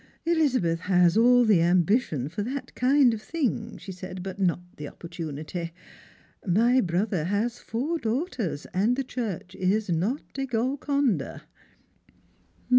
" Elizabeth has all the ambition for that kind of thing," she said, " but not the opportunity. My brother has four daughters, and the Church is not a Golconda."